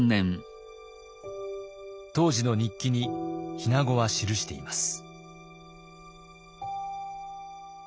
当時の日記に日名子は記しています。